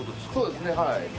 そうですねはい。